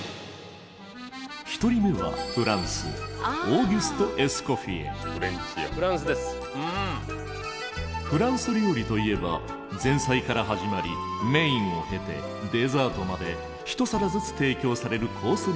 １人目はフランスフランス料理といえば前菜から始まりメインを経てデザートまで一皿ずつ提供されるコース